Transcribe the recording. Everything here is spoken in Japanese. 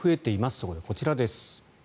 そこでこちらです。